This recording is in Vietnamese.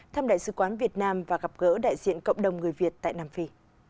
thăm đại sứ quán việt nam và gặp gỡ đại diện cộng đồng người việt tại nam phi